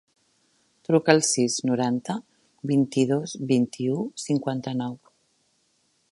Truca al sis, noranta, vint-i-dos, vint-i-u, cinquanta-nou.